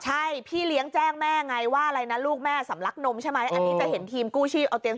ใช่พี่เลี้ยงแจ้งแม่ไงว่าอะไรนะลูกแม่สำลักนมใช่ไหมอันนี้จะเห็นทีมกู้ชีพเอาเตียง